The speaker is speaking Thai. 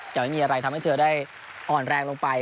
จะไม่มีอะไรทำให้เธอได้อ่อนแรงลงไป